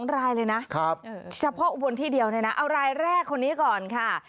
๒รายเลยนะเฉพาะอุบลที่เดียวเนี่ยนะเอารายแรกคนนี้ก่อนค่ะ